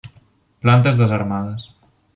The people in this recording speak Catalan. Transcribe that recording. Plantes desarmades.